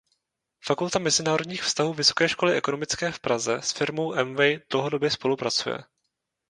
Fakulta mezinárodních vztahů Vysoké školy ekonomické v Praze s firmou Amway dlouhodobě spolupracuje.